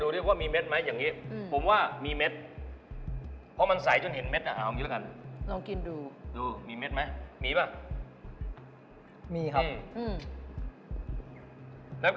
ที่นี่มาดูด้วยอะไรวะมีเม็ดไหมก็คือมีเลย